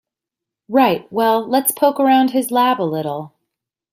Right, well let's poke around his lab a little.